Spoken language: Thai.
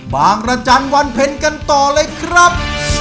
บางระจันทร์วันเพ็ญกันต่อเลยครับ